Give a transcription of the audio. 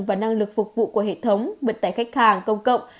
và năng lực phục vụ của hệ thống vận tải khách hàng công cộng